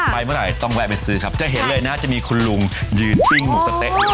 เมื่อไหร่ต้องแวะไปซื้อครับจะเห็นเลยนะจะมีคุณลุงยืนปิ้งหมูสะเต๊ะ